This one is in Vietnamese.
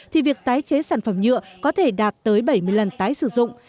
thì việc tái chế sản phẩm nhựa có thể đạt tới bảy mươi lần tái sử dụng